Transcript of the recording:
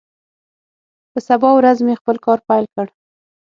په سبا ورځ مې خپل کار پیل کړ.